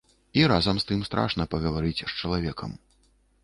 І разам з тым страшна пагаварыць з чалавекам.